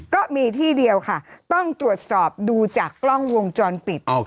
ก็มีที่เดียวค่ะต้องตรวจสอบดูจากกล้องวงจรปิด